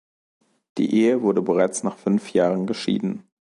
Die Ehe wurde bereits nach fünf Jahren geschieden.